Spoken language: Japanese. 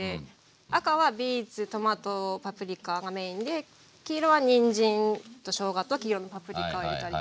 赤はビーツトマトパプリカがメインで黄色はにんじんとしょうがと黄色のパプリカを入れたり。